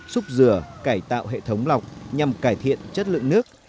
xúc rửa cải tạo hệ thống lọc nhằm cải thiện chất lượng nước